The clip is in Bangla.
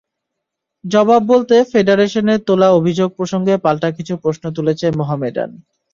জবাব বলতে ফেডারেশনের তোলা অভিযোগ প্রসঙ্গে পাল্টা কিছু প্রশ্ন তুলেছে মোহামেডান।